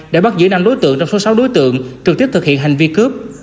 đã bắt giữ năm đối tượng trong số sáu đối tượng trực tiếp thực hiện hành vi cướp